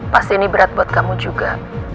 pasti ini berat buat kamu juga